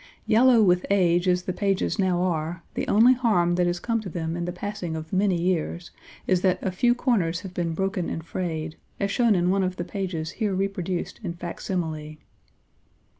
Yellow with age as the pages now are, the only harm that has come to them in the passing of many years, is that a few corners have been broken and frayed, as shown in one of the pages here reproduced in facsimile.